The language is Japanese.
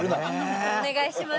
お願いします。